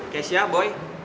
kees ya boy